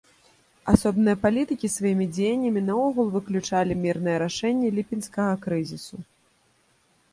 Асобныя палітыкі сваімі дзеяннямі наогул выключалі мірнае рашэнне ліпеньскага крызісу.